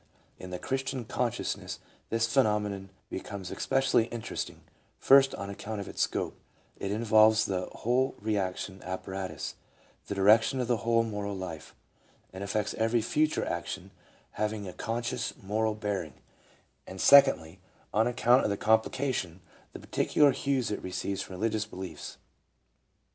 In the Christian consciousness this phenomenon becomes especially interesting, first on account of its scope — it involves the whole reaction apparatus, the direction of the whole moral life, and affects every future action having a conscious moral bearing ; and secondly, on account of the complication, the particular hues it receives from religious beliefs.